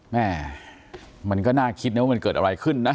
แม่มันก็น่าคิดนะว่ามันเกิดอะไรขึ้นนะ